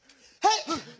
はい！